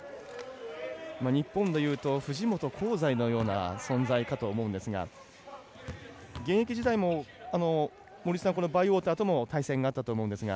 日本でいうと藤本、香西のような存在かと思うんですが現役時代も、森さんバイウォーターとの対戦があったと思うんですが。